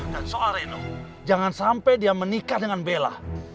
dan soal reno jangan sampai dia menikah dengan bella